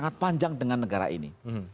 sangat panjang dengan negara ini